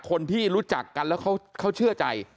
คนที่รู้จักกันแล้วเขาเชื่อใจ